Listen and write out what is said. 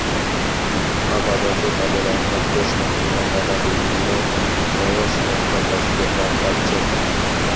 আপাতত তাদের একমাত্র সান্ত্বনা তারা বিভিন্ন সংস্থার কাছ থেকে ত্রাণ পাচ্ছে।